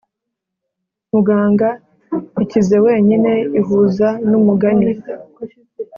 muganga, ikize wenyine ihuza numugani